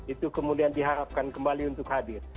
itu kemudian diharapkan kembali untuk hadir